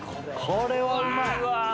これはうまい！